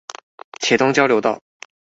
茄苳交流道